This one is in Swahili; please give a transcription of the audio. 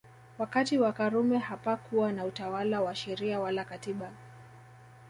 Wakati wa Karume hapakuwa na utawala wa Sheria wala Katiba